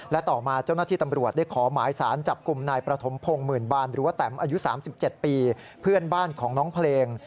และต่อมาเจ้าหน้าที่ตำรวจได้ขอหมายสารจับกลุ่มนายประถมพงศ์หมื่นบานหรือว่าแตมอายุ๓๗ปีเพื่อนบ้านของน้องเพลง